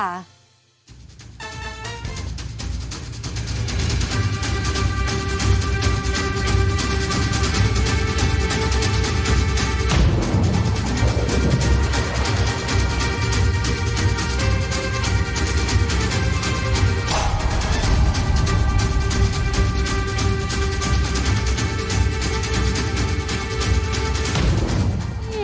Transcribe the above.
โอ้โห